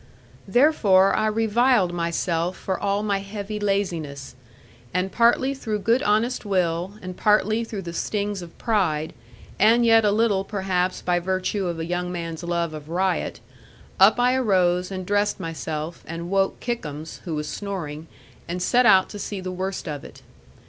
Therefore I reviled myself for all my heavy laziness; and partly through good honest will, and partly through the stings of pride, and yet a little perhaps by virtue of a young man's love of riot, up I arose, and dressed myself, and woke Kickums (who was snoring), and set out to see the worst of it.